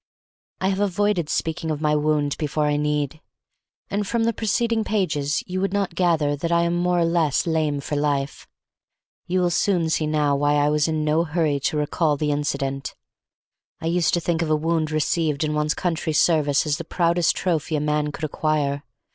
I have avoided speaking of my wound before I need, and from the preceding pages you would not gather that I am more or less lame for life. You will soon see now why I was in no hurry to recall the incident. I used to think of a wound received in one's country's service as the proudest trophy a man could acquire.